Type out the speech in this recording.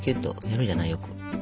やるじゃないよく。